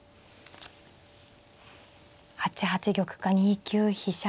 ８八玉か２九飛車か。